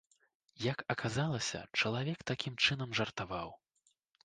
Як аказалася, чалавек такім чынам жартаваў.